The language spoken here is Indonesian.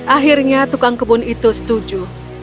akhirnya tukang kebun itu setuju